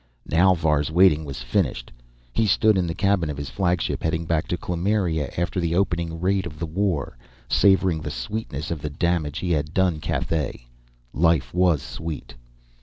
Now Var's waiting was finished. He stood in the cabin of his flagship, heading back to Kloomiria after the opening raid of the war, savoring the sweetness of the damage he had done Cathay. Life was sweet.